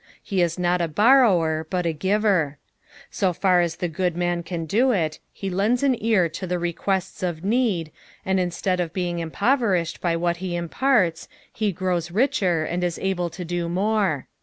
He is not a borrower, but a giver. So far as the good man can do it, he lends an car to the requests of need, and instead of being impoverished by what he im Brts, he grows richer, and is able to do more.